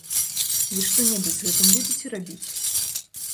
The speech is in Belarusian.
Вы што-небудзь з гэтым будзеце рабіць?